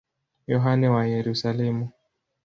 Yohane wa Yerusalemu.